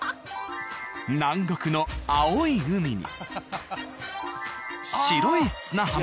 南国の青い海に白い砂浜。